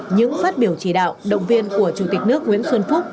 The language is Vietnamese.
những phát biểu chỉ đạo động viên của chủ tịch nước nguyễn xuân phúc